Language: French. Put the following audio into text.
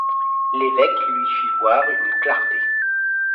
L'évêque lui fit voir une clarté.